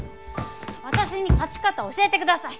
私に勝ち方を教えてください。